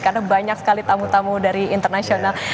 karena banyak sekali tamu tamu dari internasional